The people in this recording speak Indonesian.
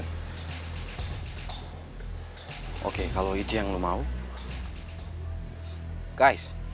hai oke kalau itu yang lu mau guys